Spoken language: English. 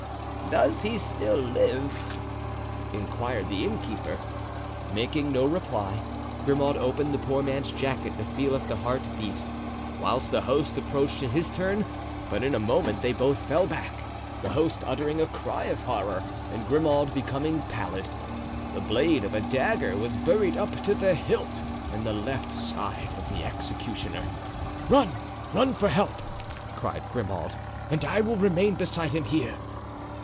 "Does he still live?" inquired the innkeeper. Making no reply, Grimaud opened the poor man's jacket to feel if the heart beat, whilst the host approached in his turn; but in a moment they both fell back, the host uttering a cry of horror and Grimaud becoming pallid. The blade of a dagger was buried up to the hilt in the left side of the executioner. "Run! run for help!" cried Grimaud, "and I will remain beside him here."